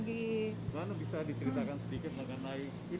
bagaimana bisa diceritakan sedikit dengan lain